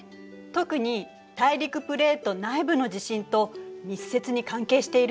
特に大陸プレート内部の地震と密接に関係しているの。